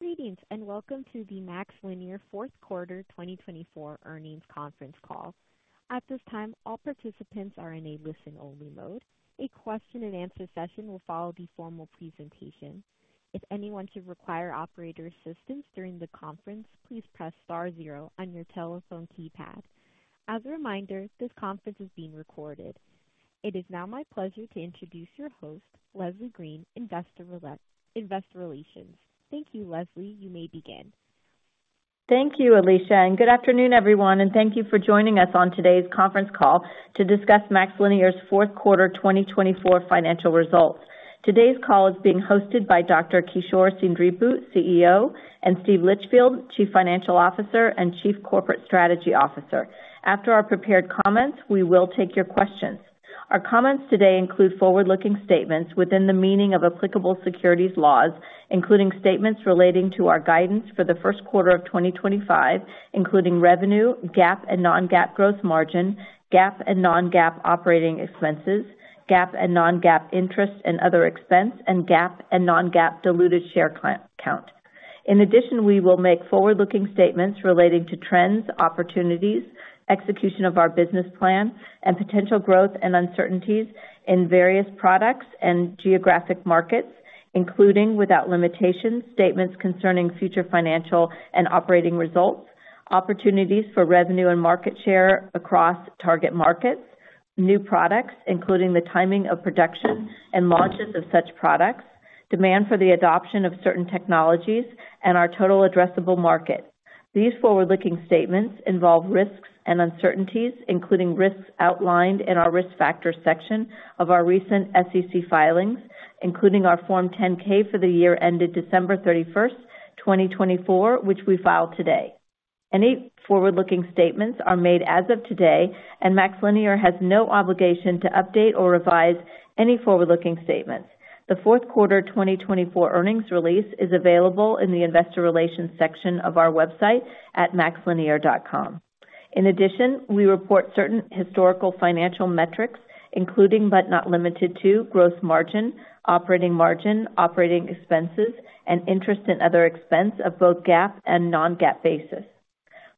Greetings and welcome to the MaxLinear fourth quarter 2024 earnings conference call. At this time, all participants are in a listen-only mode. A question-and-answer session will follow the formal presentation. If anyone should require operator assistance during the conference, please press star zero on your telephone keypad. As a reminder, this conference is being recorded. It is now my pleasure to introduce your host, Leslie Green, Investor Relations. Thank you, Leslie. You may begin. Thank you, Alicia. Good afternoon, everyone. Thank you for joining us on today's conference call to discuss MaxLinear's fourth quarter 2024 financial results. Today's call is being hosted by Dr. Kishore Seendripu, CEO, and Steve Litchfield, Chief Financial Officer and Chief Corporate Strategy Officer. After our prepared comments, we will take your questions. Our comments today include forward-looking statements within the meaning of applicable securities laws, including statements relating to our guidance for the first quarter of 2025, including revenue, GAAP and non-GAAP gross margin, GAAP and non-GAAP operating expenses, GAAP and non-GAAP interest and other expense, and GAAP and non-GAAP diluted share count. In addition, we will make forward-looking statements relating to trends, opportunities, execution of our business plan, and potential growth and uncertainties in various products and geographic markets, including without limitations, statements concerning future financial and operating results, opportunities for revenue and market share across target markets, new products, including the timing of production and launches of such products, demand for the adoption of certain technologies, and our total addressable market. These forward-looking statements involve risks and uncertainties, including risks outlined in our risk factor section of our recent SEC filings, including our Form 10-K for the year ended December 31st, 2024, which we filed today. Any forward-looking statements are made as of today, and MaxLinear has no obligation to update or revise any forward-looking statements. The fourth quarter 2024 earnings release is available in the Investor Relations section of our website at maxlinear.com. In addition, we report certain historical financial metrics, including but not limited to gross margin, operating margin, operating expenses, and interest and other expense of both GAAP and non-GAAP basis.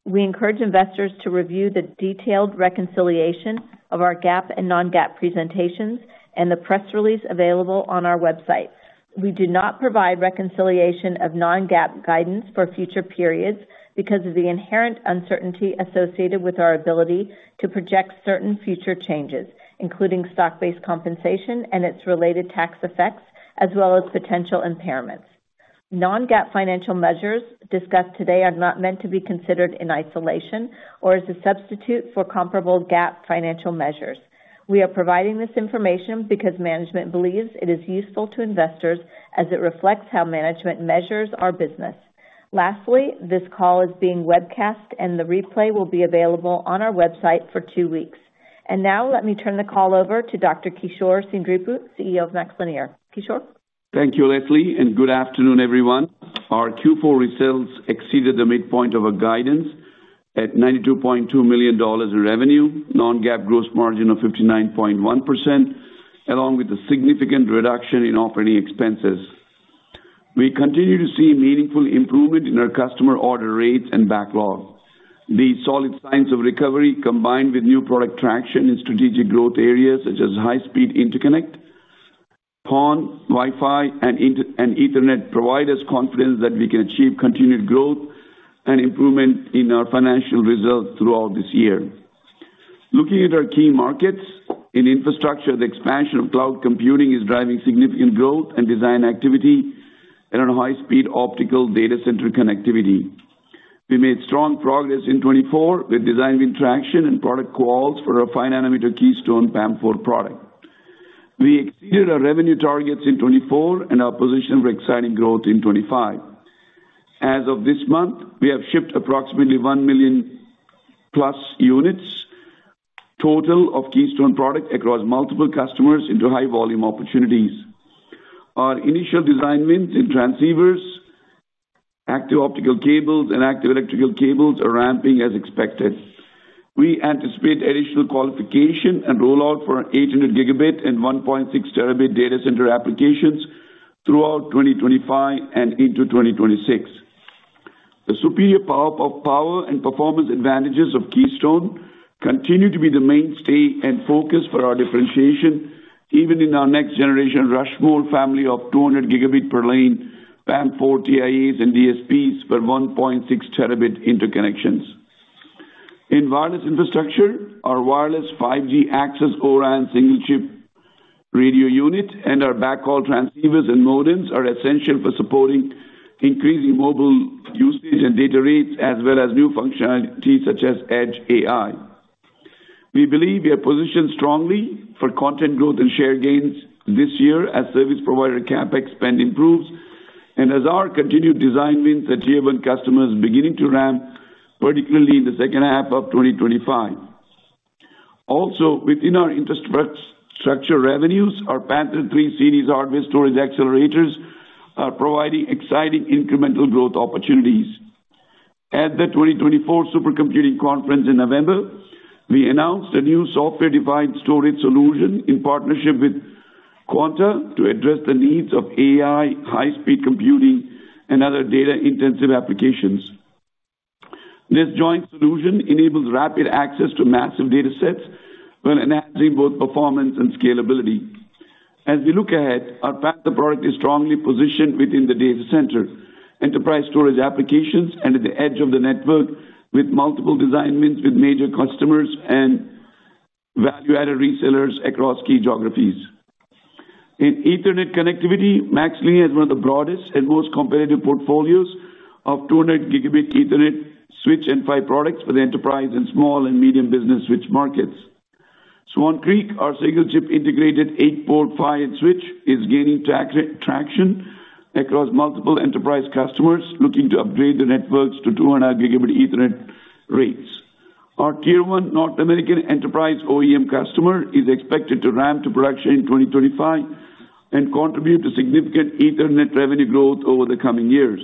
We encourage investors to review the detailed reconciliation of our GAAP and non-GAAP presentations and the press release available on our website. We do not provide reconciliation of non-GAAP guidance for future periods because of the inherent uncertainty associated with our ability to project certain future changes, including stock-based compensation and its related tax effects, as well as potential impairments. Non-GAAP financial measures discussed today are not meant to be considered in isolation or as a substitute for comparable GAAP financial measures. We are providing this information because management believes it is useful to investors as it reflects how management measures our business. Lastly, this call is being webcast, and the replay will be available on our website for two weeks, and now let me turn the call over to Dr. Kishore Seendripu, CEO of MaxLinear. Kishore? Thank you, Leslie, and good afternoon, everyone. Our Q4 results exceeded the midpoint of our guidance at $92.2 million in revenue, non-GAAP gross margin of 59.1%, along with a significant reduction in operating expenses. We continue to see meaningful improvement in our customer order rates and backlog. These solid signs of recovery, combined with new product traction in strategic growth areas such as high-speed interconnect, PON, Wi-Fi, and Ethernet, provide us confidence that we can achieve continued growth and improvement in our financial results throughout this year. Looking at our key markets, in infrastructure, the expansion of cloud computing is driving significant growth and design activity in high-speed optical data center connectivity. We made strong progress in 2024 with design win traction and product quals for our five-nanometer Keystone PAM4 product. We exceeded our revenue targets in 2024 and our position for exciting growth in 2025. As of this month, we have shipped approximately 1 million plus units total of Keystone product across multiple customers into high-volume opportunities. Our initial design wins in transceivers, active optical cables, and active electrical cables are ramping as expected. We anticipate additional qualification and rollout for 800 gigabit and 1.6 terabit data center applications throughout 2025 and into 2026. The superior power and performance advantages of Keystone continue to be the mainstay and focus for our differentiation, even in our next-generation Rushmore family of 200 gigabit per lane PAM4 TIAs and DSPs for 1.6 terabit interconnections. In wireless infrastructure, our wireless 5G access O-RAN single-chip radio unit and our backhaul transceivers and modems are essential for supporting increasing mobile usage and data rates, as well as new functionality such as edge AI. We believe we are positioned strongly for content growth and share gains this year as service provider CapEx spend improves and as our continued design wins achieve when customers are beginning to ramp, particularly in the second half of 2025. Also, within our infrastructure revenues, our Panther III series hardware storage accelerators are providing exciting incremental growth opportunities. At the 2024 Supercomputing Conference in November, we announced a new software-defined storage solution in partnership with Quanta to address the needs of AI, high-speed computing, and other data-intensive applications. This joint solution enables rapid access to massive data sets while enhancing both performance and scalability. As we look ahead, our Panther product is strongly positioned within the data center, enterprise storage applications, and at the edge of the network with multiple design wins with major customers and value-added resellers across key geographies. In Ethernet connectivity, MaxLinear has one of the broadest and most competitive portfolios of 200 gigabit Ethernet switch and PHY products for the enterprise and small and medium business switch markets. Swan Creek, our single-chip integrated 8-port PHY and switch, is gaining traction across multiple enterprise customers looking to upgrade their networks to 200 gigabit Ethernet rates. Our tier one North American enterprise OEM customer is expected to ramp to production in 2025 and contribute to significant Ethernet revenue growth over the coming years.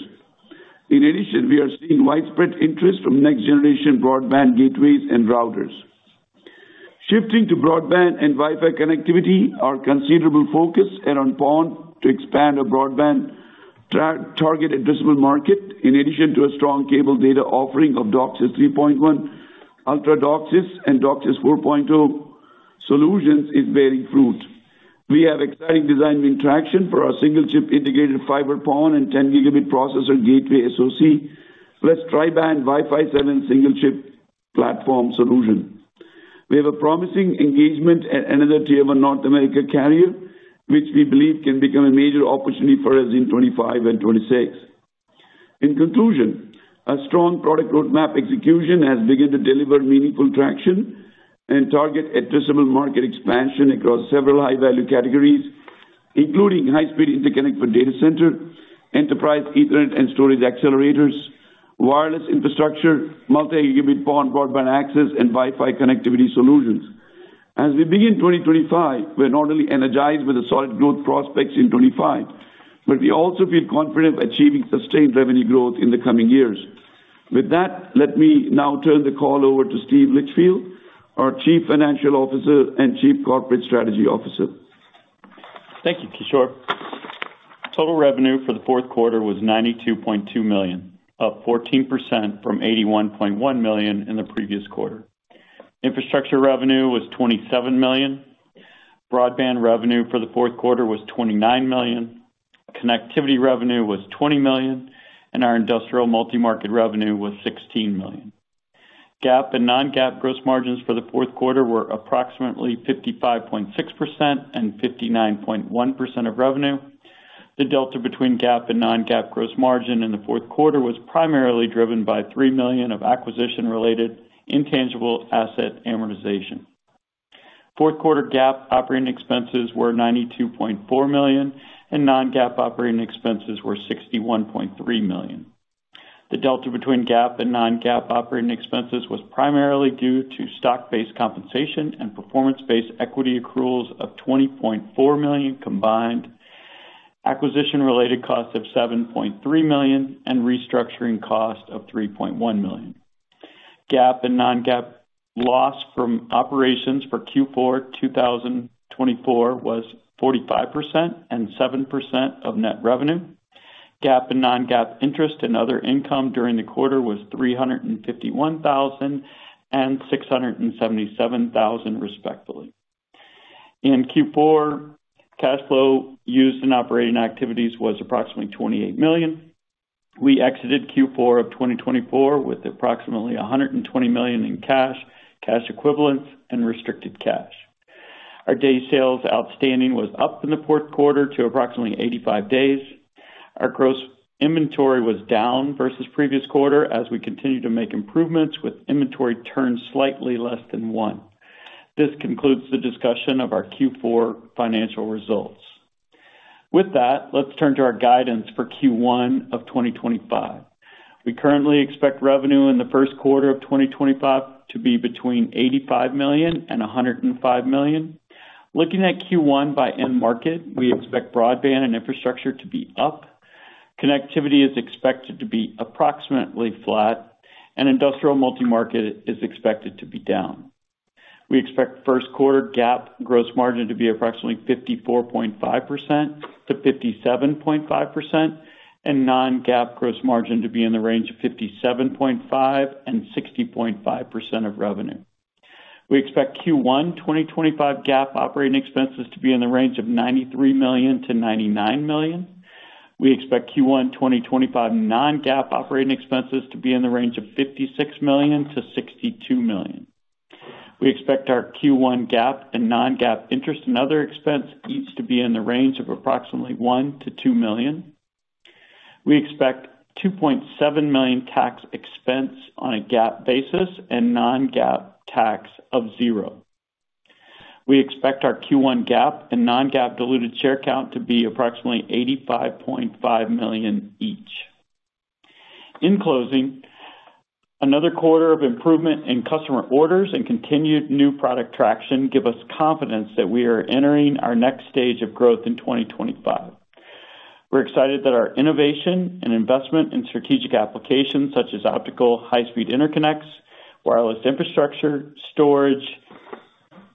In addition, we are seeing widespread interest from next-generation broadband gateways and routers. Shifting to broadband and Wi-Fi connectivity, our considerable focus is on PON to expand our broadband target addressable market. In addition to a strong cable data offering of DOCSIS 3.1, Ultra DOCSIS, and DOCSIS 4.0 solutions is bearing fruit. We have exciting design win traction for our single-chip integrated fiber PON and 10-gigabit processor gateway SoC, plus tri-Band Wi-Fi 7 single-chip platform solution. We have a promising engagement at another tier one North America carrier, which we believe can become a major opportunity for us in 2025 and 2026. In conclusion, our strong product roadmap execution has begun to deliver meaningful traction and target addressable market expansion across several high-value categories, including high-speed interconnect data center, enterprise Ethernet and storage accelerators, wireless infrastructure, multi-gigabit PON broadband access, and Wi-Fi connectivity solutions. As we begin 2025, we're not only energized with the solid growth prospects in 2025, but we also feel confident of achieving sustained revenue growth in the coming years. With that, let me now turn the call over to Steve Litchfield, our Chief Financial Officer and Chief Corporate Strategy Officer. Thank you, Kishore. Total revenue for the fourth quarter was $92.2 million, up 14% from $81.1 million in the previous quarter. Infrastructure revenue was $27 million. Broadband revenue for the fourth quarter was $29 million. Connectivity revenue was $20 million, and our industrial multi-market revenue was $16 million. GAAP and non-GAAP gross margins for the fourth quarter were approximately 55.6% and 59.1% of revenue. The delta between GAAP and non-GAAP gross margin in the fourth quarter was primarily driven by $3 million of acquisition-related intangible asset amortization. Fourth quarter GAAP operating expenses were $92.4 million, and non-GAAP operating expenses were $61.3 million. The delta between GAAP and non-GAAP operating expenses was primarily due to stock-based compensation and performance-based equity accruals of $20.4 million combined, acquisition-related cost of $7.3 million, and restructuring cost of $3.1 million. GAAP and non-GAAP loss from operations for Q4 2024 was 45% and 7% of net revenue. GAAP and non-GAAP interest and other income during the quarter was $351,000 and $677,000, respectively. In Q4, cash flow used in operating activities was approximately $28 million. We exited Q4 of 2024 with approximately $120 million in cash, cash equivalents, and restricted cash. Our days sales outstanding was up in the fourth quarter to approximately 85 days. Our gross inventory was down versus previous quarter as we continue to make improvements with inventory turns slightly less than one. This concludes the discussion of our Q4 financial results. With that, let's turn to our guidance for Q1 of 2025. We currently expect revenue in the first quarter of 2025 to be between $85 million and $105 million. Looking at Q1 by end market, we expect broadband and infrastructure to be up. Connectivity is expected to be approximately flat, and industrial multi-market is expected to be down. We expect first quarter GAAP gross margin to be approximately 54.5%-57.5%, and non-GAAP gross margin to be in the range of 57.5%-60.5% of revenue. We expect Q1 2025 GAAP operating expenses to be in the range of $93 million-$99 million. We expect Q1 2025 non-GAAP operating expenses to be in the range of $56 million-$62 million. We expect our Q1 GAAP and non-GAAP interest and other expense each to be in the range of approximately $1 million-$2 million. We expect $2.7 million tax expense on a GAAP basis and non-GAAP tax of zero. We expect our Q1 GAAP and non-GAAP diluted share count to be approximately 85.5 million each. In closing, another quarter of improvement in customer orders and continued new product traction give us confidence that we are entering our next stage of growth in 2025. We're excited that our innovation and investment in strategic applications such as optical high-speed interconnects, wireless infrastructure, storage,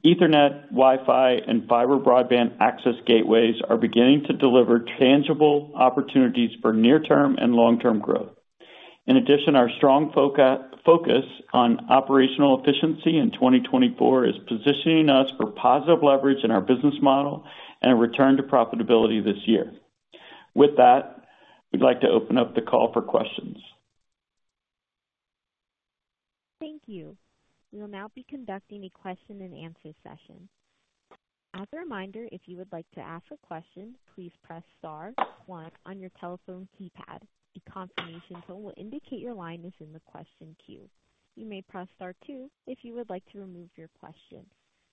Ethernet, Wi-Fi, and fiber broadband access gateways are beginning to deliver tangible opportunities for near-term and long-term growth. In addition, our strong focus on operational efficiency in 2024 is positioning us for positive leverage in our business model and a return to profitability this year. With that, we'd like to open up the call for questions. Thank you. We will now be conducting a question-and-answer session. As a reminder, if you would like to ask a question, please press star one on your telephone keypad. A confirmation tone will indicate your line is in the question queue. You may press star two if you would like to remove your question.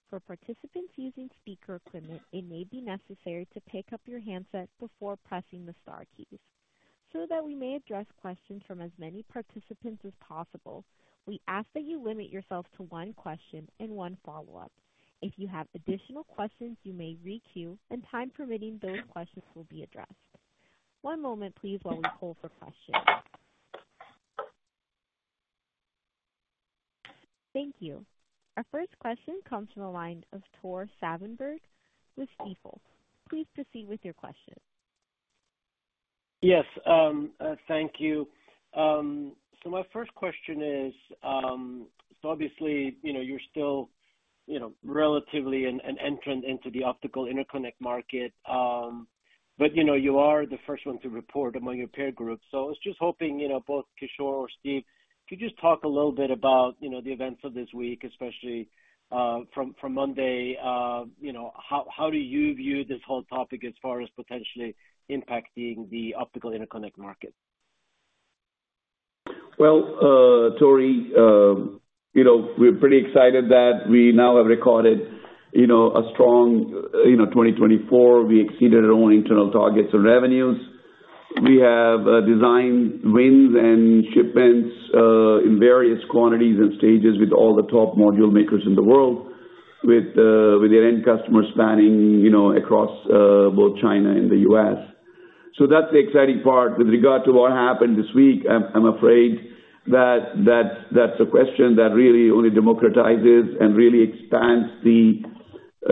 For participants using speaker equipment, it may be necessary to pick up your handset before pressing the star keys. So that we may address questions from as many participants as possible, we ask that you limit yourself to one question and one follow-up. If you have additional questions, you may re-queue, and time permitting, those questions will be addressed. One moment, please, while we poll for questions. Thank you. Our first question comes from the line of Tore Svanberg with Stifel. Please proceed with your question. Yes. Thank you. So my first question is, so obviously, you're still relatively an entrant into the optical interconnect market, but you are the first one to report among your peer group. So I was just hoping both Kishore or Steve, could you just talk a little bit about the events of this week, especially from Monday? How do you view this whole topic as far as potentially impacting the optical interconnect market? Well, Tore, we're pretty excited that we now have recorded a strong 2024. We exceeded our own internal targets and revenues. We have design wins and shipments in various quantities and stages with all the top module makers in the world, with their end customers spanning across both China and the U.S. So that's the exciting part. With regard to what happened this week, I'm afraid that that's a question that really only democratizes and really expands the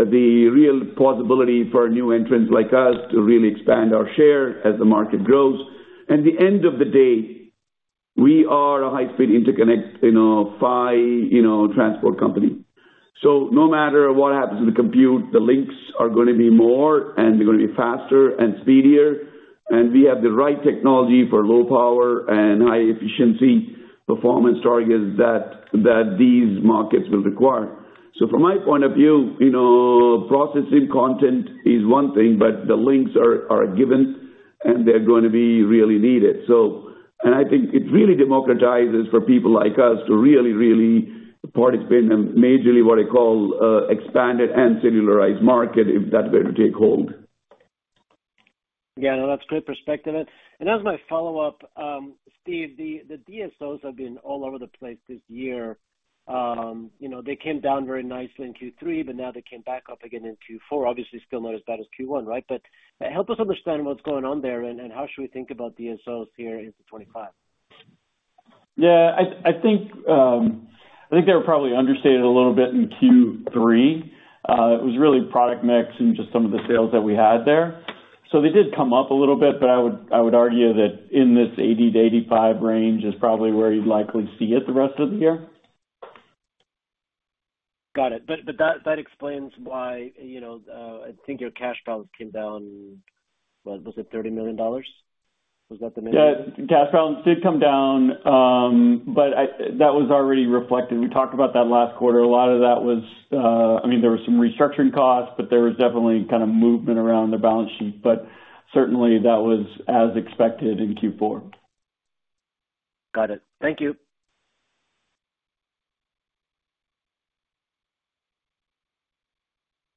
real possibility for new entrants like us to really expand our share as the market grows. At the end of the day, we are a high-speed interconnect fiber transport company. So no matter what happens to the compute, the links are going to be more, and they're going to be faster and speedier, and we have the right technology for low power and high-efficiency performance targets that these markets will require. So from my point of view, processing content is one thing, but the links are a given, and they're going to be really needed. And I think it really democratizes for people like us to really, really participate in a majorly what I call expanded and cellularized market if that were to take hold. Yeah, no, that's great perspective, and as my follow-up, Steve, the DSOs have been all over the place this year. They came down very nicely in Q3, but now they came back up again in Q4. Obviously, still not as bad as Q1, right? But help us understand what's going on there, and how should we think about DSOs here in 2025? Yeah. I think they were probably understated a little bit in Q3. It was really product mix and just some of the sales that we had there. So they did come up a little bit, but I would argue that in this 80-85 range is probably where you'd likely see it the rest of the year. Got it. But that explains why I think your cash balance came down. Was it $30 million? Was that the main? Yeah. Cash balance did come down, but that was already reflected. We talked about that last quarter. A lot of that was, I mean, there were some restructuring costs, but there was definitely kind of movement around the balance sheet. But certainly, that was as expected in Q4. Got it. Thank you.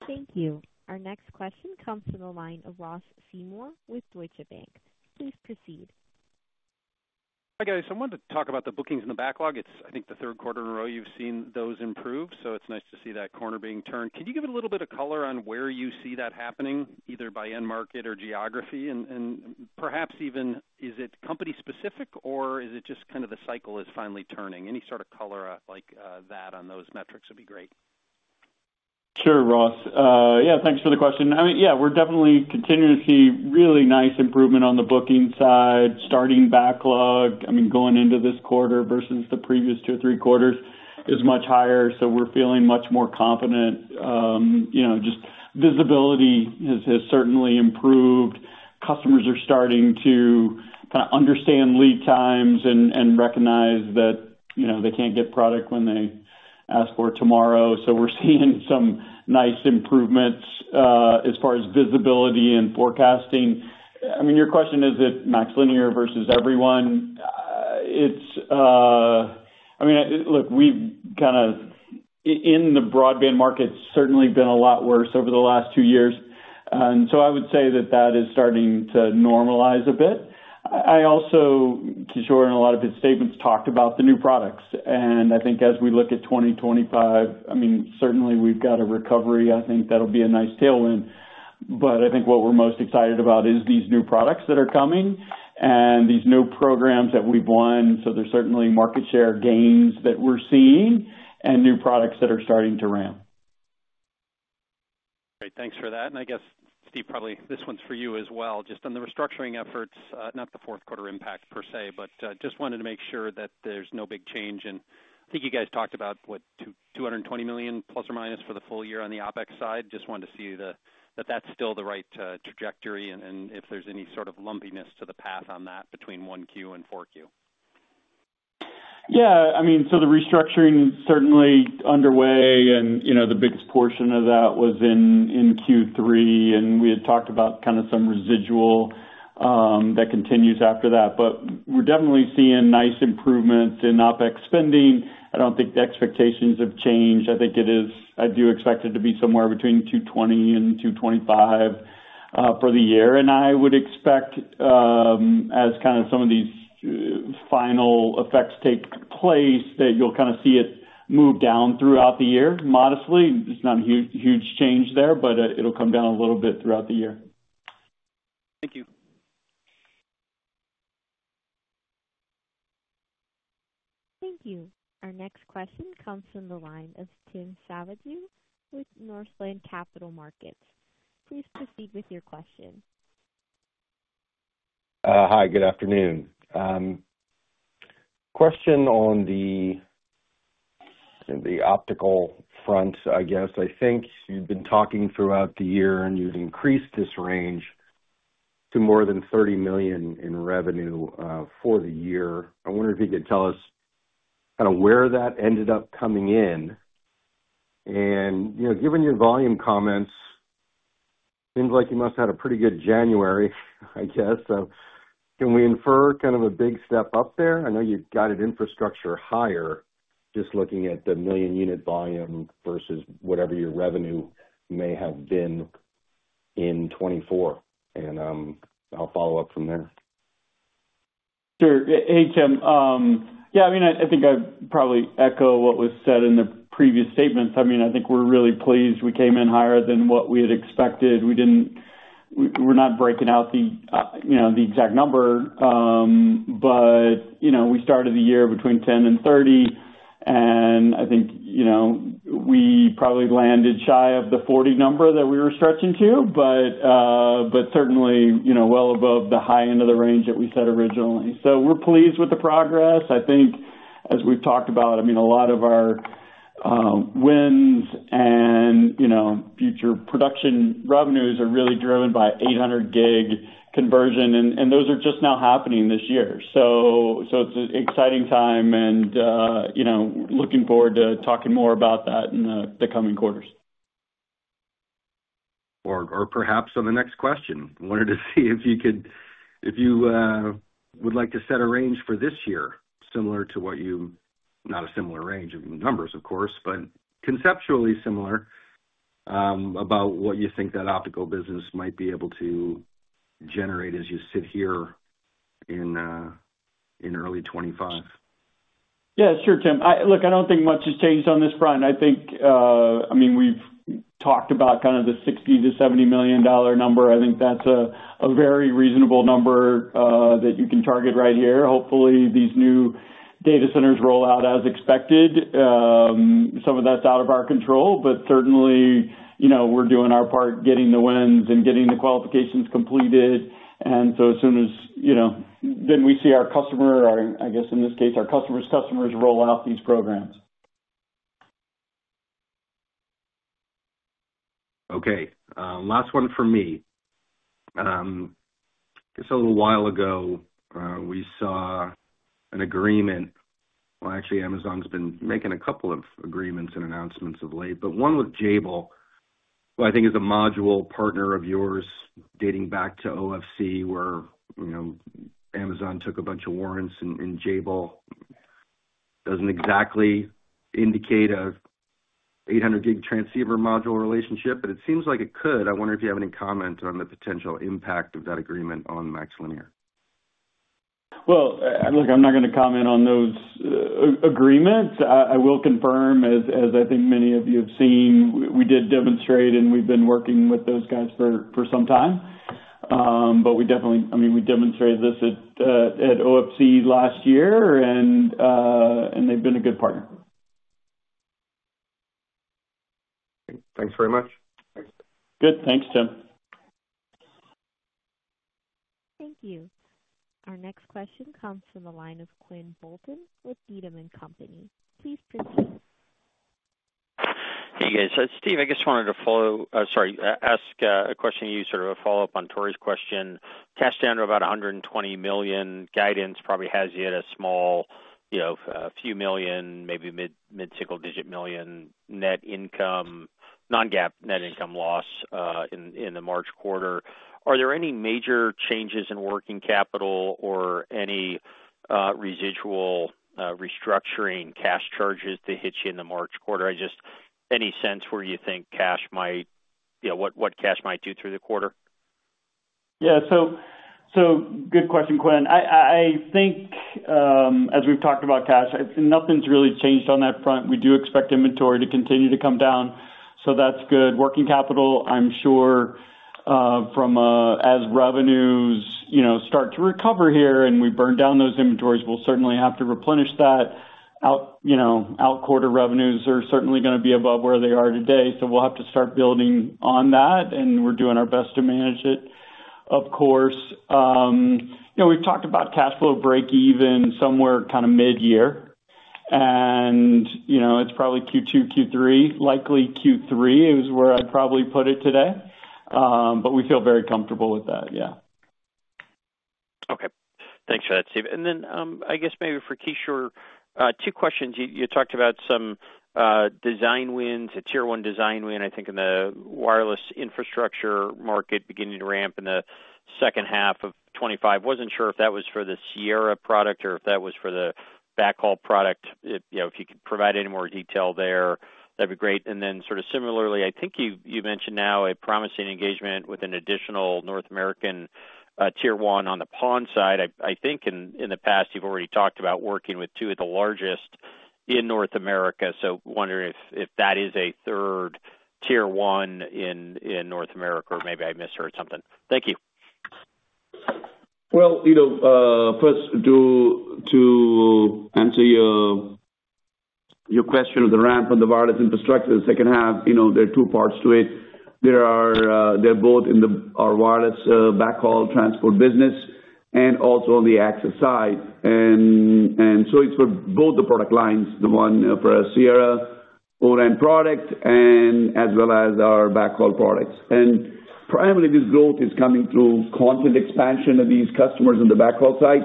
Thank you. Our next question comes from the line of Ross Seymour with Deutsche Bank. Please proceed. Hi guys. I wanted to talk about the bookings and the backlog. It's, I think, the third quarter in a row you've seen those improve, so it's nice to see that corner being turned. Can you give it a little bit of color on where you see that happening, either by end market or geography? And perhaps even, is it company-specific, or is it just kind of the cycle is finally turning? Any sort of color like that on those metrics would be great. Sure, Ross. Yeah, thanks for the question. I mean, yeah, we're definitely continuing to see really nice improvement on the booking side. Starting backlog, I mean, going into this quarter versus the previous two or three quarters is much higher. So we're feeling much more confident. Just visibility has certainly improved. Customers are starting to kind of understand lead times and recognize that they can't get product when they ask for it tomorrow. So we're seeing some nice improvements as far as visibility and forecasting. I mean, your question is, is it MaxLinear versus everyone? I mean, look, we've kind of, in the broadband market, certainly been a lot worse over the last two years. And so I would say that that is starting to normalize a bit. I also, Kishore, in a lot of his statements talked about the new products. I think as we look at 2025, I mean, certainly, we've got a recovery. I think that'll be a nice tailwind. But I think what we're most excited about is these new products that are coming and these new programs that we've won. There's certainly market share gains that we're seeing and new products that are starting to ramp. Great. Thanks for that. And I guess, Steve, probably this one's for you as well. Just on the restructuring efforts, not the fourth quarter impact per se, but just wanted to make sure that there's no big change. And I think you guys talked about what, $220 million plus or minus for the full year on the OpEx side. Just wanted to see that that's still the right trajectory and if there's any sort of lumpiness to the path on that between 1Q and 4Q. Yeah. I mean, so the restructuring is certainly underway, and the biggest portion of that was in Q3, and we had talked about kind of some residual that continues after that, but we're definitely seeing nice improvements in OpEx spending. I don't think the expectations have changed. I think it is, I do expect it to be somewhere between 220 and 225 for the year, and I would expect, as kind of some of these final effects take place, that you'll kind of see it move down throughout the year modestly. It's not a huge change there, but it'll come down a little bit throughout the year. Thank you. Thank you. Our next question comes from the line of Tim Savageaux with Northland Capital Markets. Please proceed with your question. Hi, good afternoon. Question on the optical front, I guess. I think you've been talking throughout the year, and you've increased this range to more than $30 million in revenue for the year. I wonder if you could tell us kind of where that ended up coming in. And given your volume comments, it seems like you must have had a pretty good January, I guess. So can we infer kind of a big step up there? I know you've guided infrastructure higher, just looking at the million-unit volume versus whatever your revenue may have been in 2024. And I'll follow up from there. Sure. Hey, Tim. Yeah, I mean, I think I probably echo what was said in the previous statements. I mean, I think we're really pleased. We came in higher than what we had expected. We're not breaking out the exact number, but we started the year between 10 and 30. And I think we probably landed shy of the 40 number that we were stretching to, but certainly well above the high end of the range that we set originally. So we're pleased with the progress. I think, as we've talked about, I mean, a lot of our wins and future production revenues are really driven by 800-gig conversion, and those are just now happening this year. So it's an exciting time, and we're looking forward to talking more about that in the coming quarters. Or perhaps on the next question, wanted to see if you would like to set a range for this year similar to what you, not a similar range of numbers, of course, but conceptually similar, about what you think that optical business might be able to generate as you sit here in early 2025? Yeah, sure, Tim. Look, I don't think much has changed on this front. I mean, we've talked about kind of the $60 million-$70 million number. I think that's a very reasonable number that you can target right here. Hopefully, these new data centers roll out as expected. Some of that's out of our control, but certainly, we're doing our part getting the wins and getting the qualifications completed. And so as soon as then we see our customer, or I guess in this case, our customer's customers roll out these programs. Okay. Last one for me. Just a little while ago, we saw an agreement, well, actually, Amazon's been making a couple of agreements and announcements of late, but one with Jabil, who I think is a module partner of yours dating back to OFC, where Amazon took a bunch of warrants in Jabil. Doesn't exactly indicate an 800-gig transceiver module relationship, but it seems like it could. I wonder if you have any comment on the potential impact of that agreement on MaxLinear. Look, I'm not going to comment on those agreements. I will confirm, as I think many of you have seen, we did demonstrate, and we've been working with those guys for some time. I mean, we demonstrated this at OFC last year, and they've been a good partner. Thanks very much. Good. Thanks, Tim. Thank you. Our next question comes from the line of Quinn Bolton with Needham & Company. Please proceed. Hey, guys. Steve, I just wanted to ask a question to you, sort of a follow-up on Tore's question. Cash down to about $120 million, guidance probably has yet a small, a few million, maybe mid-single-digit million non-GAAP net income loss in the March quarter. Are there any major changes in working capital or any residual restructuring cash charges to hit you in the March quarter? Just any sense where you think cash might do through the quarter? Yeah. So good question, Quinn. I think, as we've talked about cash, nothing's really changed on that front. We do expect inventory to continue to come down, so that's good. Working capital, I'm sure, as revenues start to recover here and we burn down those inventories, we'll certainly have to replenish that. Out-quarter revenues are certainly going to be above where they are today, so we'll have to start building on that, and we're doing our best to manage it, of course. We've talked about cash flow break-even somewhere kind of mid-year, and it's probably Q2, Q3, likely Q3 is where I'd probably put it today. But we feel very comfortable with that, yeah. Okay. Thanks for that, Steve. And then I guess maybe for Kishore, two questions. You talked about some design wins, a tier-one design win, I think, in the wireless infrastructure market beginning to ramp in the second half of 2025. Wasn't sure if that was for the Sierra product or if that was for the backhaul product. If you could provide any more detail there, that'd be great. And then sort of similarly, I think you mentioned now a promising engagement with an additional North American tier-one on the PON side. I think in the past, you've already talked about working with two of the largest in North America. So wondering if that is a third tier-one in North America, or maybe I misheard something. Thank you. First, to answer your question of the ramp of the wireless infrastructure in the second half, there are two parts to it. They're both in our wireless backhaul transport business and also on the Access side. And so it's for both the product lines, the one for a Sierra O-RAN product and as well as our backhaul products. And primarily, this growth is coming through content expansion of these customers on the backhaul side.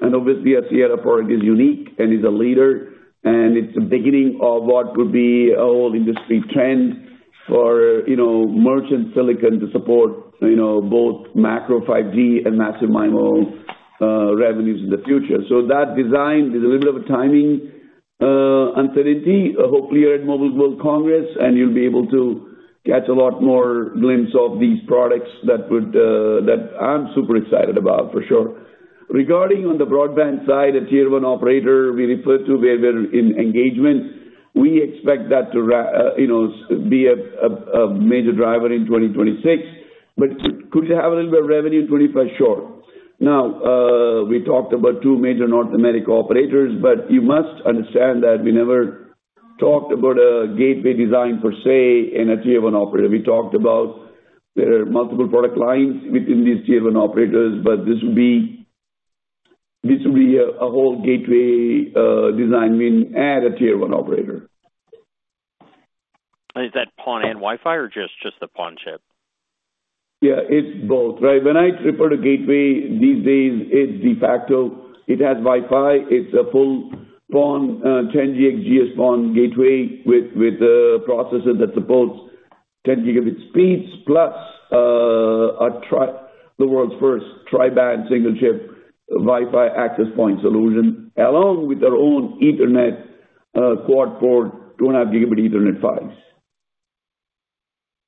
And obviously, a Sierra product is unique and is a leader. And it's the beginning of what would be a whole industry trend for merchant silicon to support both macro 5G and Massive MIMO revenues in the future. So that design is a little bit of a timing uncertainty. Hopefully, you're at Mobile World Congress, and you'll be able to catch a lot more glimpse of these products that I'm super excited about, for sure. Regarding on the broadband side, a tier-one operator we refer to where we're in engagement, we expect that to be a major driver in 2026. But could it have a little bit of revenue in 2025? Sure. Now, we talked about two major North America operators, but you must understand that we never talked about a gateway design per se in a tier-one operator. We talked about there are multiple product lines within these tier-one operators, but this would be a whole gateway design win at a tier-one operator. Is that PON and Wi-Fi or just the PON chip? Yeah, it's both. Right. When I refer to gateway these days, it's de facto. It has Wi-Fi. It's a full PON, 10G XGS-PON gateway with a processor that supports 10 gigabit speeds plus the world's first tri-band single-chip Wi-Fi access point solution along with their own Ethernet quad port, 2.5 gigabit Ethernet PHYs.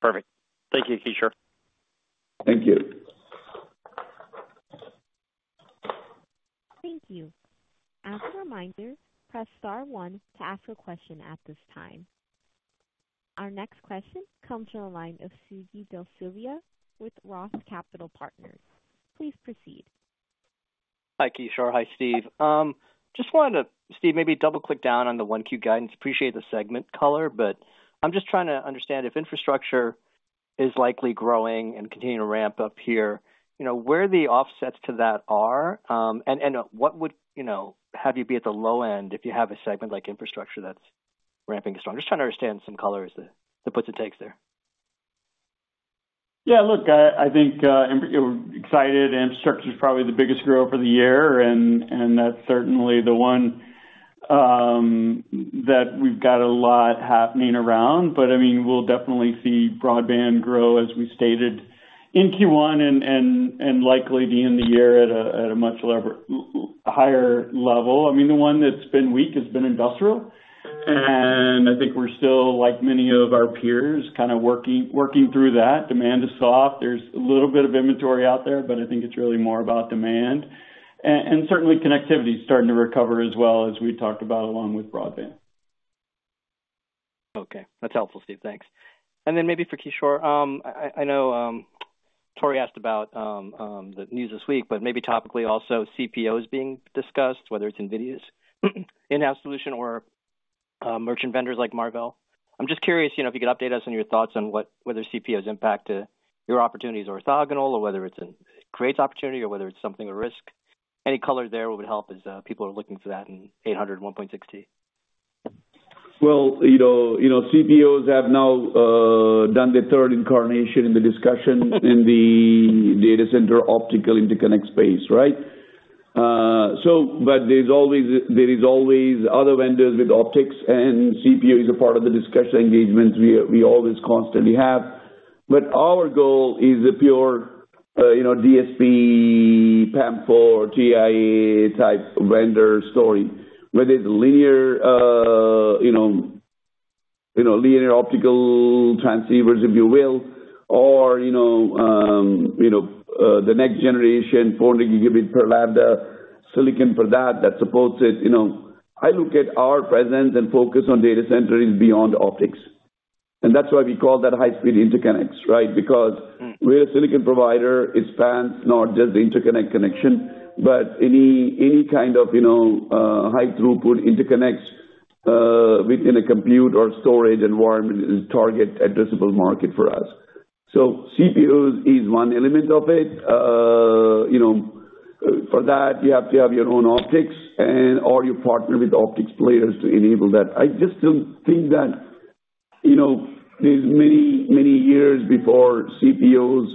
Perfect. Thank you, Kishore. Thank you. Thank you. As a reminder, press star one to ask a question at this time. Our next question comes from the line of Sujeeva De Silva with Roth Capital Partners. Please proceed. Hi, Kishore. Hi, Steve. Just wanted to, Steve, maybe double-click down on the 1Q guidance. Appreciate the segment color, but I'm just trying to understand if infrastructure is likely growing and continuing to ramp up here, where the offsets to that are, and what would have you be at the low end if you have a segment like infrastructure that's ramping strong? Just trying to understand some color as it puts its eggs there. Yeah. Look, I think AI infrastructure is probably the biggest growth for the year, and that's certainly the one that we've got a lot happening around. But I mean, we'll definitely see broadband grow, as we stated, in Q1 and likely the end of the year at a much higher level. I mean, the one that's been weak has been industrial. And I think we're still, like many of our peers, kind of working through that. Demand is soft. There's a little bit of inventory out there, but I think it's really more about demand. And certainly, connectivity is starting to recover as well as we talked about along with broadband. Okay. That's helpful, Steve. Thanks. And then maybe for Kishore, I know Tore asked about the news this week, but maybe topically also, CPOs being discussed, whether it's Nvidia's in-house solution or merchant vendors like Marvell. I'm just curious if you could update us on your thoughts on whether CPOs impact your opportunities orthogonal or whether it creates opportunity or whether it's something of risk. Any color there would help as people are looking for that in 800, 1.6T? Well, CPOs have now done their third incarnation in the discussion in the data center optical interconnect space, right? But there is always other vendors with optics, and CPO is a part of the discussion engagement we always constantly have. But our goal is a pure DSP, PAM4, TIA type vendor story, whether it's linear optical transceivers, if you will, or the next generation 400 gigabit per lambda silicon for that that supports it. I look at our presence and focus on data centers beyond optics. And that's why we call that high-speed interconnects, right? Because we're a silicon provider. It spans not just the interconnect connection, but any kind of high-throughput interconnects within a compute or storage environment is a target addressable market for us. So CPOs is one element of it. For that, you have to have your own optics or you partner with optics players to enable that. I just don't think that there's many, many years before CPOs,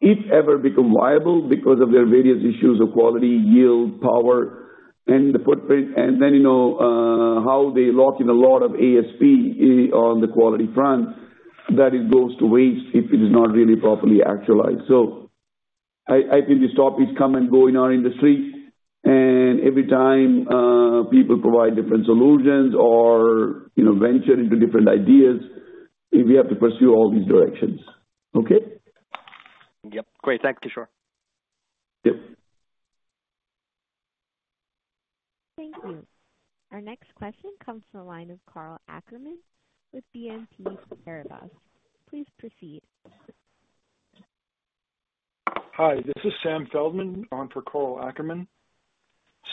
if ever, become viable because of their various issues of quality, yield, power, and the footprint, and then how they lock in a lot of ASP on the quality front that it goes to waste if it is not really properly actualized. So I think these topics come and go in our industry. And every time people provide different solutions or venture into different ideas, we have to pursue all these directions. Okay? Yep. Great. Thanks, Kishore. Yep. Thank you. Our next question comes from the line of Karl Ackerman with BNP Paribas. Please proceed. Hi. This is Sam Feldman, on for Karl Ackerman.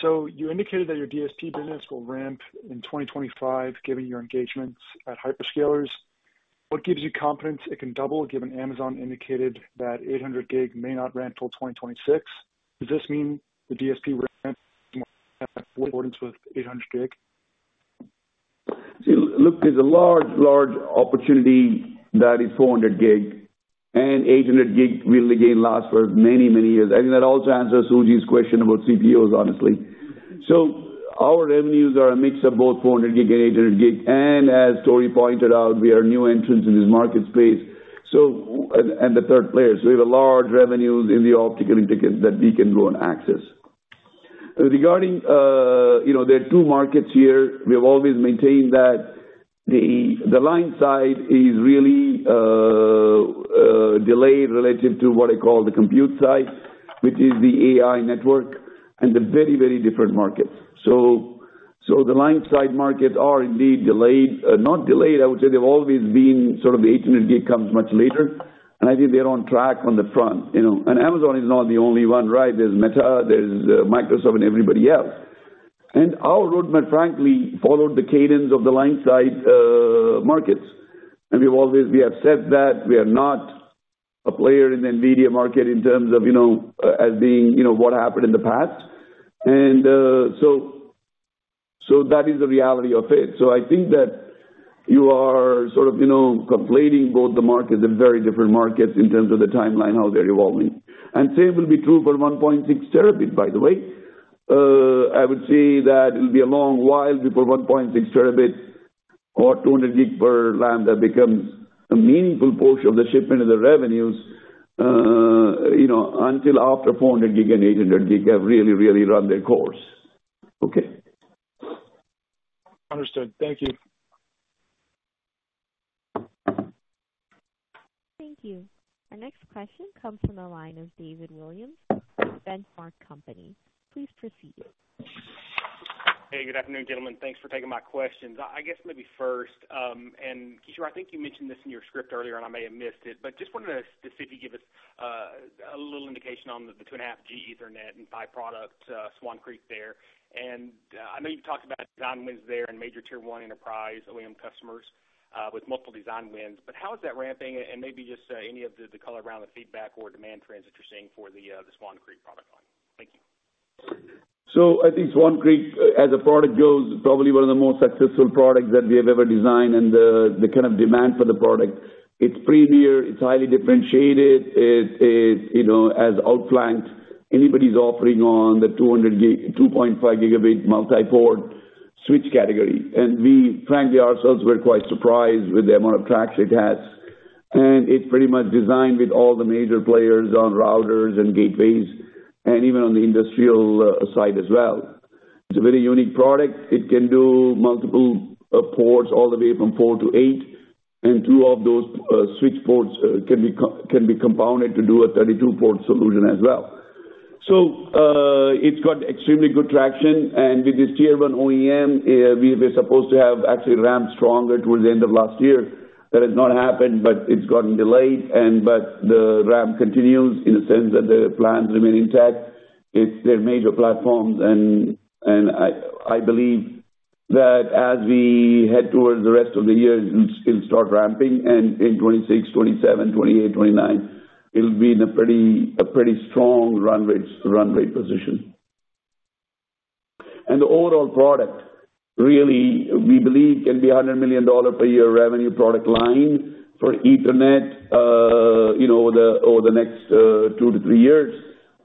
So you indicated that your DSP business will ramp in 2025 given your engagements at hyperscalers. What gives you confidence it can double given Amazon indicated that 800 gig may not ramp till 2026? Does this mean the DSP ramp in accordance with 800 gig? Look, there's a large, large opportunity that is 400 gig. And 800 gig will again last for many, many years. I think that also answers Suzie's question about CPOs, honestly. So our revenues are a mix of both 400 gig and 800 gig. And as Tore pointed out, we are a new entrant in this market space and the third players. So we have large revenues in the optical interconnect that we can go and access. Regarding, there are two markets here. We have always maintained that the line side is really delayed relative to what I call the compute side, which is the AI network and the very, very different markets. So the line side markets are indeed delayed. Not delayed, I would say they've always been sort of the 800 gig comes much later. And I think they're on track on the front. Amazon is not the only one, right? There's Meta, there's Microsoft, and everybody else. Our roadmap, frankly, followed the cadence of the client-side markets. We have said that we are not a player in the Nvidia market in terms of as being what happened in the past. That is the reality of it. I think that you are sort of conflating both the markets and very different markets in terms of the timeline, how they're evolving. The same will be true for 1.6 terabit, by the way. I would say that it'll be a long while before 1.6 terabit or 200 gig per lane becomes a meaningful portion of the shipment of the revenues until after 400 gig and 800 gig have really, really run their course. Okay. Understood. Thank you. Thank you. Our next question comes from the line of David Williams, from Benchmark Company. Please proceed. Hey, good afternoon, gentlemen. Thanks for taking my questions. I guess maybe first, and Kishore, I think you mentioned this in your script earlier, and I may have missed it, but just wanted to see if you could give us a little indication on the 2.5G Ethernet and 5G product Swan Creek there. And I know you've talked about design wins there and major tier-one enterprise OEM customers with multiple design wins. But how is that ramping? And maybe just any of the color around the feedback or demand trends that you're seeing for the Swan Creek product line. Thank you. So I think Swan Creek, as a product goes, probably one of the most successful products that we have ever designed, and the kind of demand for the product. It's premier. It's highly differentiated. It has outflanked anybody's offering on the 2.5 gigabit multi-port switch category. And we, frankly, ourselves, were quite surprised with the amount of tracks it has. And it's pretty much designed with all the major players on routers and gateways and even on the industrial side as well. It's a very unique product. It can do multiple ports all the way from four to eight. And two of those switch ports can be compounded to do a 32-port solution as well. So it's got extremely good traction. And with this tier-one OEM, we were supposed to have actually ramped stronger towards the end of last year. That has not happened, but it's gotten delayed. But the ramp continues in the sense that the plans remain intact. They're major platforms. And I believe that as we head towards the rest of the year, it'll start ramping. And in 2026, 2027, 2028, 2029, it'll be in a pretty strong runway position. And the overall product, really, we believe can be $100 million per year revenue product line for Ethernet over the next two to three years.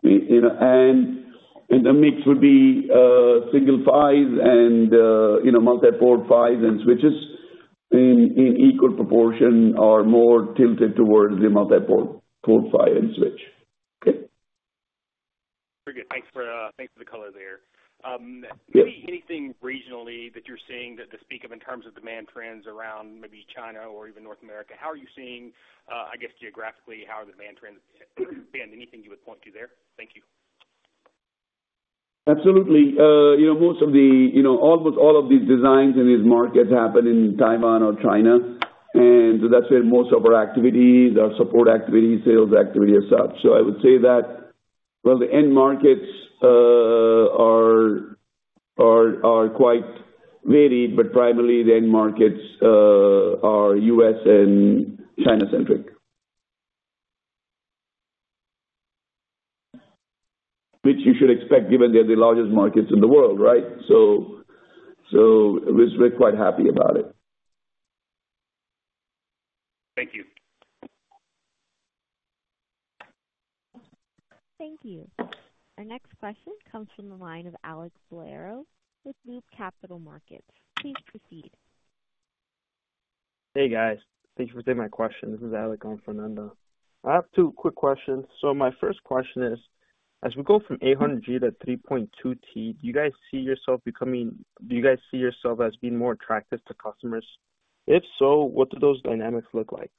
And the mix would be single 5s and multi-port 5s and switches in equal proportion or more tilted towards the multi-port 5 and switch. Okay. Very good. Thanks for the color there. Anything regionally that you're seeing that to speak of in terms of demand trends around maybe China or even North America? How are you seeing, I guess, geographically, how are the demand trends being? Anything you would point to there? Thank you. Absolutely. Most of all of these designs in these markets happen in Taiwan or China. That's where most of our activities, our support activities, sales activity are such. I would say that, well, the end markets are quite varied, but primarily the end markets are U.S. and China-centric, which you should expect given they're the largest markets in the world, right? We're quite happy about it. Thank you. Thank you. Our next question comes from the line of Alex Lero with Loop Capital Markets. Please proceed. Hey, guys. Thank you for taking my question. This is Alex Lero. I have two quick questions. So my first question is, as we go from 800G to 3.2T, do you guys see yourself as being more attractive to customers? If so, what do those dynamics look like?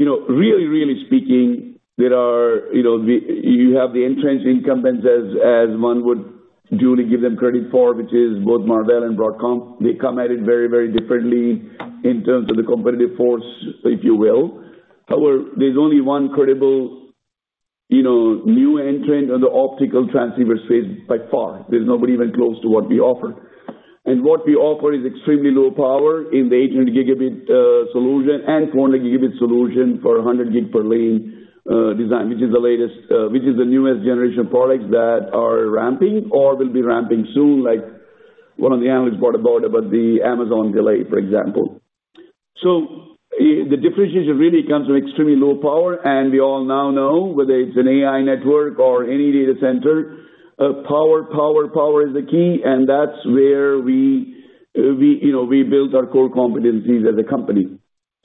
Look, really, really speaking, you have the entrenched incumbents as one would duly give them credit for, which is both Marvell and Broadcom. They come at it very, very differently in terms of the competitive force, if you will. However, there's only one credible new entrant on the optical transceiver space by far. There's nobody even close to what we offer. And what we offer is extremely low power in the 800 gigabit solution and 400 gigabit solution for 100 gig per lane design, which is the latest, which is the newest generation of products that are ramping or will be ramping soon, like one of the analysts brought up about the Amazon delay, for example, so the differentiation really comes from extremely low power, and we all now know, whether it's an AI network or any data center, power, power, power is the key. And that's where we built our core competencies as a company.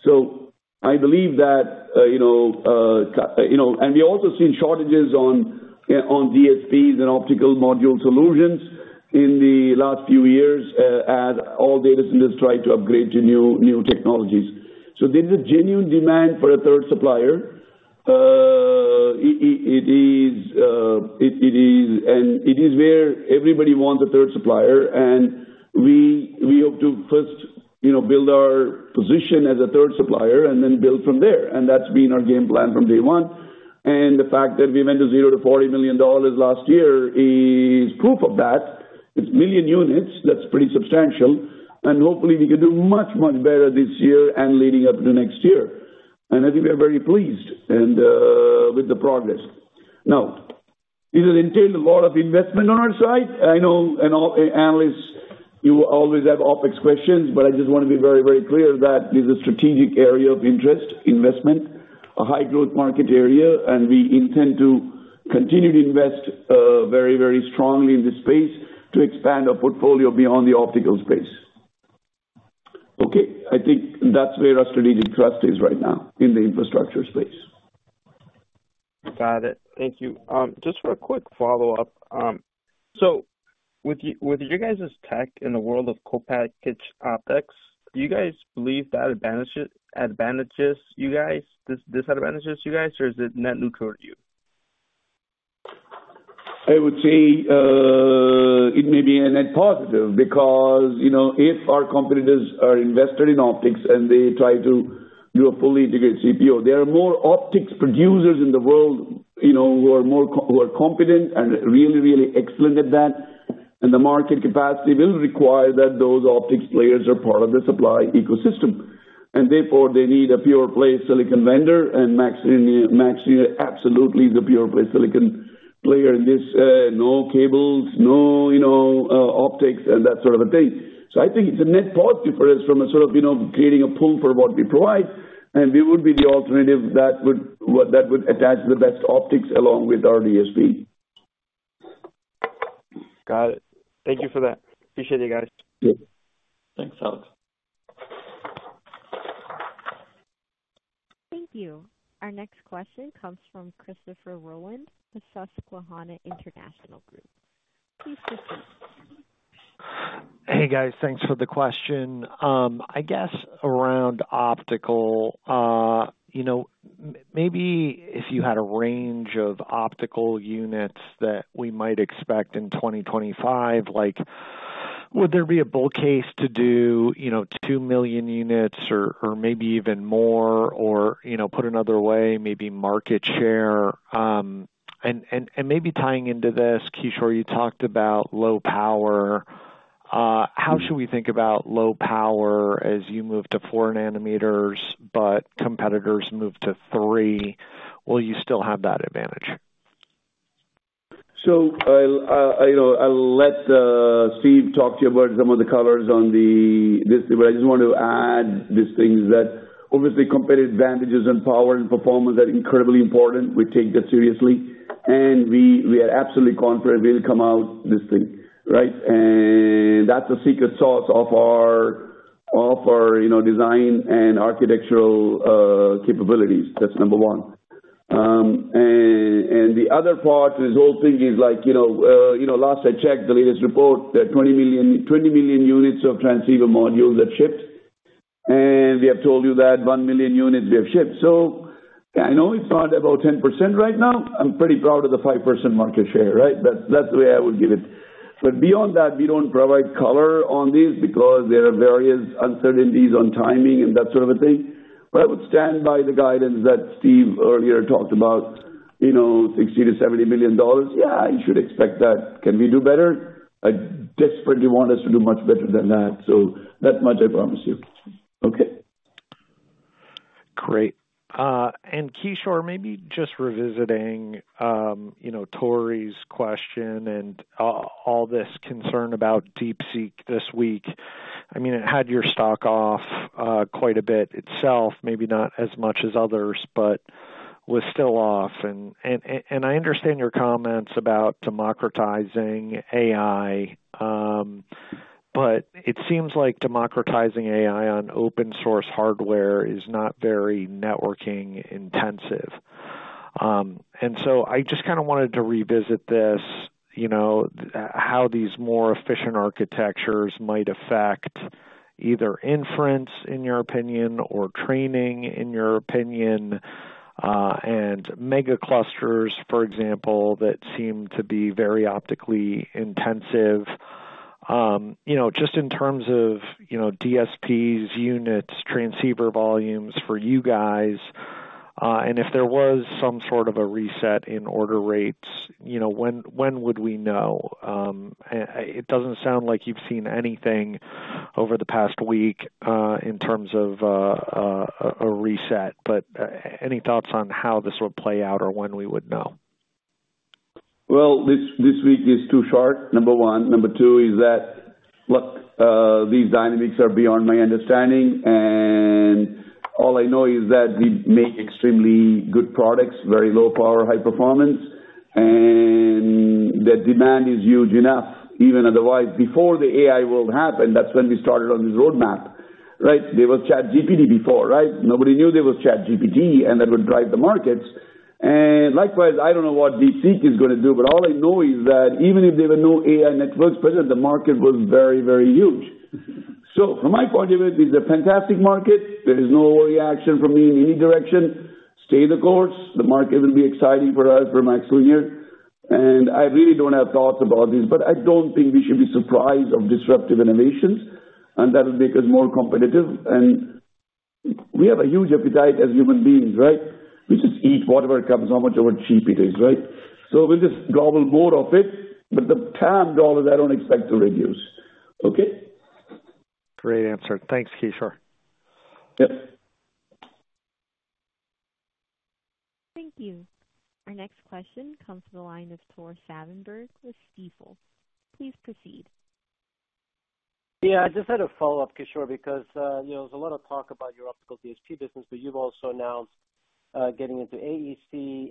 So I believe that and we also seen shortages on DSPs and optical module solutions in the last few years as all data centers try to upgrade to new technologies. So there is a genuine demand for a third supplier. It is, and it is where everybody wants a third supplier. And we hope to first build our position as a third supplier and then build from there. And that's been our game plan from day one. And the fact that we went to $0-$40 million last year is proof of that. It's million units. That's pretty substantial. And hopefully, we can do much, much better this year and leading up to next year. And I think we are very pleased with the progress. Now, this has entailed a lot of investment on our side. I know analysts, you always have optics questions, but I just want to be very, very clear that this is a strategic area of interest, investment, a high-growth market area. We intend to continue to invest very, very strongly in this space to expand our portfolio beyond the optical space. Okay. I think that's where our strategic thrust is right now in the infrastructure space. Got it. Thank you. Just for a quick follow-up. So with your guys' tech in the world of Co-Packaged Optics, do you guys believe that advantages you guys? Does this advantage you guys, or is it net neutral to you? I would say it may be a net positive because if our competitors are invested in optics and they try to do a fully integrated CPO, there are more optics producers in the world who are competent and really, really excellent at that, and the market capacity will require that those optics players are part of the supply ecosystem. And therefore, they need a pure play silicon vendor, and MaxLinear absolutely is a pure play silicon player in this. No cables, no optics, and that sort of a thing, so I think it's a net positive for us from a sort of creating a pull for what we provide, and we would be the alternative that would attach the best optics along with our DSP. Got it. Thank you for that. Appreciate it, guys. Thanks, Alex. Thank you. Our next question comes from Christopher Rolland with Susquehanna International Group. Please proceed. Hey, guys. Thanks for the question. I guess around optical, maybe if you had a range of optical units that we might expect in 2025, would there be a bull case to do 2 million units or maybe even more? Or put another way, maybe market share. And maybe tying into this, Kishore, you talked about low power. How should we think about low power as you move to 4 nanometers but competitors move to 3? Will you still have that advantage? So I'll let Steve talk to you about some of the colors on this. But I just want to add these things that obviously competitive advantages and power and performance are incredibly important. We take that seriously. And we are absolutely confident we'll come out this thing, right? And that's the secret sauce of our design and architectural capabilities. That's number one. And the other part is the whole thing is like last I checked, the latest report, there are 20 million units of transceiver modules that shipped. And we have told you that 1 million units we have shipped. So I know we've gone about 10% right now. I'm pretty proud of the 5% market share, right? That's the way I would give it. But beyond that, we don't provide color on these because there are various uncertainties on timing and that sort of a thing. But I would stand by the guidance that Steve earlier talked about: $60-$70 million. Yeah, you should expect that. Can we do better? I desperately want us to do much better than that. So that much, I promise you. Okay. Great. And Kishore, maybe just revisiting Tore's question and all this concern about DeepSeek this week. I mean, it had your stock off quite a bit itself, maybe not as much as others, but was still off. And I understand your comments about democratizing AI. But it seems like democratizing AI on open-source hardware is not very networking intensive. And so I just kind of wanted to revisit this, how these more efficient architectures might affect either inference, in your opinion, or training, in your opinion, and mega clusters, for example, that seem to be very optically intensive, just in terms of DSPs, units, transceiver volumes for you guys. And if there was some sort of a reset in order rates, when would we know? It doesn't sound like you've seen anything over the past week in terms of a reset. But any thoughts on how this would play out or when we would know? This week is too short, number one. Number two is that, look, these dynamics are beyond my understanding. And all I know is that we make extremely good products, very low power, high performance, and the demand is huge enough. Even otherwise, before the AI world happened, that's when we started on this roadmap, right? There was ChatGPT before, right? Nobody knew there was ChatGPT, and that would drive the markets. And likewise, I don't know what DeepSeek is going to do, but all I know is that even if there were no AI networks present, the market was very, very huge. So from my point of view, it is a fantastic market. There is no reaction from me in any direction. Stay the course. The market will be exciting for us for MaxLinear. And I really don't have thoughts about these, but I don't think we should be surprised of disruptive innovations. And that would make us more competitive. And we have a huge appetite as human beings, right? We just eat whatever comes, however cheap it is, right? So we'll just gobble more of it. But the TAM dollars, I don't expect to reduce. Okay? Great answer. Thanks, Kishore. Yep. Thank you. Our next question comes from the line of Tore Svanberg with Stifel. Please proceed. Yeah. I just had a follow-up, Kishore, because there's a lot of talk about your optical DSP business, but you've also announced getting into AEC,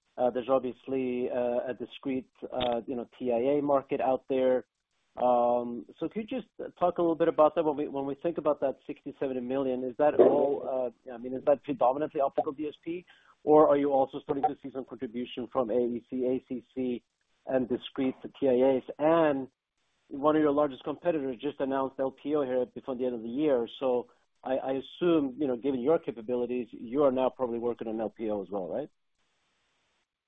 ACC. There's obviously a discrete TIA market out there. So could you just talk a little bit about that? When we think about that $60-$70 million, is that all? I mean, is that predominantly optical DSP, or are you also starting to see some contribution from AEC, ACC, and discrete TIAs? And one of your largest competitors just announced LPO here before the end of the year. So I assume, given your capabilities, you are now probably working on LPO as well, right?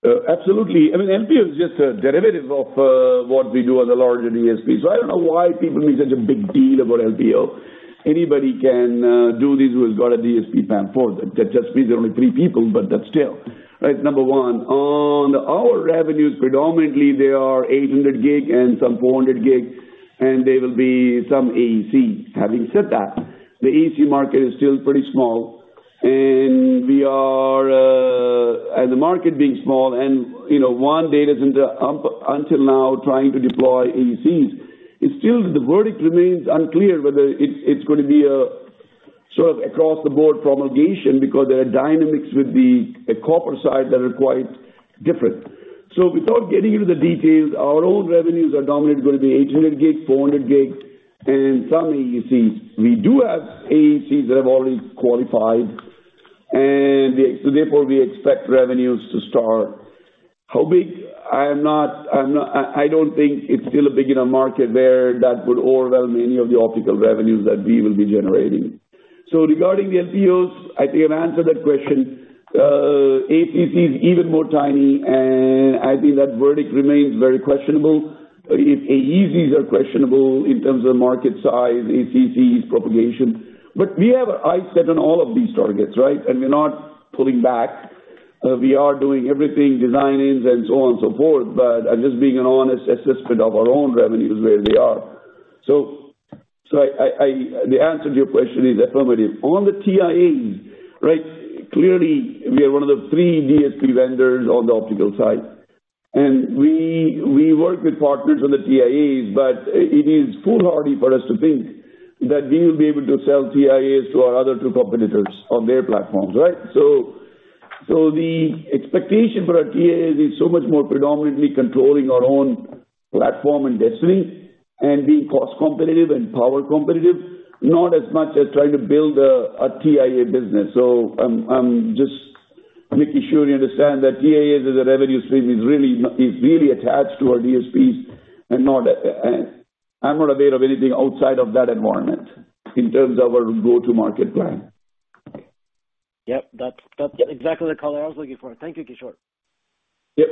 Absolutely. I mean, LPO is just a derivative of what we do as a larger DSP. So I don't know why people make such a big deal about LPO. Anybody can do this who has got a DSP play for them. That just means there are only three players, but that's still, right? Number one, on our revenues, predominantly, they are 800 gig and some 400 gig, and there will be some AEC. Having said that, the AEC market is still pretty small, and we are, as the market being small, and one data center up until now trying to deploy AECs, it's still, the verdict remains unclear whether it's going to be a sort of across-the-board propalgation because there are dynamics with the copper side that are quite different. So without getting into the details, our own revenues are dominantly going to be 800 gig, 400 gig, and some AECs. We do have AECs that have already qualified. And therefore, we expect revenues to start. How big? I don't think it's still a big enough market where that would overwhelm any of the optical revenues that we will be generating. So regarding the LPOs, I think I've answered that question. ACC is even more tiny. And I think that verdict remains very questionable. If AECs are questionable in terms of market size, ACCs, propagation, but we have our eyes set on all of these targets, right? And we're not pulling back. We are doing everything, design, and so on and so forth, but I'm just being an honest assessment of our own revenues where they are. So the answer to your question is affirmative. On the TIAs, right, clearly, we are one of the three DSP vendors on the optical side. And we work with partners on the TIAs, but it is foolhardy for us to think that we will be able to sell TIAs to our other two competitors on their platforms, right? So the expectation for our TIAs is so much more predominantly controlling our own platform and destiny and being cost competitive and power competitive, not as much as trying to build a TIA business. So I'm just making sure you understand that TIAs as a revenue stream is really attached to our DSPs and I'm not aware of anything outside of that environment in terms of our go-to-market plan. Yep. That's exactly the color I was looking for. Thank you, Kishore. Yep.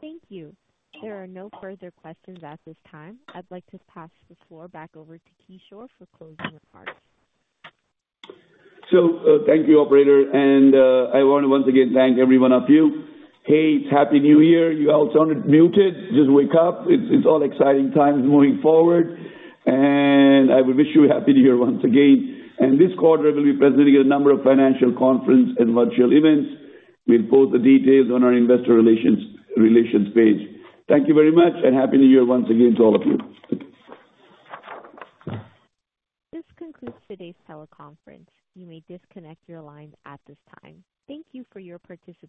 Thank you. There are no further questions at this time. I'd like to pass the floor back over to Kishore for closing remarks. So thank you, operator. And I want to once again thank every one of you. Hey, it's Happy New Year. You all sounded muted. Just wake up. It's all exciting times moving forward. And I wish you a Happy New Year once again. And this quarter, we'll be presenting a number of financial conferences and virtual events. We'll post the details on our investor relations page. Thank you very much. And Happy New Year once again to all of you. This concludes today's teleconference. You may disconnect your lines at this time. Thank you for your participation.